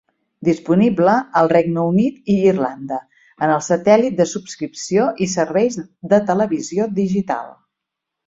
Disponible al Regne Unit i Irlanda en el satèl·lit de subscripció i serveis de televisió digital.